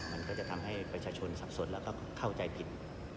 มันก็จะทำให้ประชาชนสับสนแล้วก็เข้าใจผิด